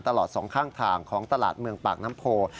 ตลอดสองข้างทางของตลาดเมืองปากน้ำโพ